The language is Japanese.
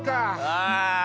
ああ。